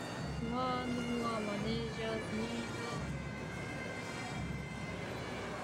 More and more managers need secretaries who can speak several foreign languages fluently.